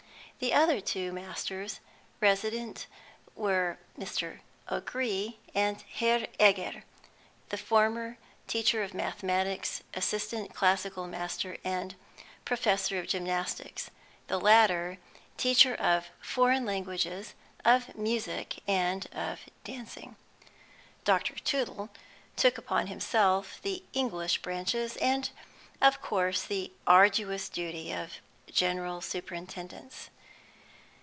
The other two masters, resident, were Mr. O'Gree and Herr Egger; the former, teacher of mathematics, assistant classical master, and professor of gymnastics; the latter, teacher of foreign languages, of music, and of dancing. Dr. Tootle took upon himself the English branches, and, of course, the arduous duty of general superintendence.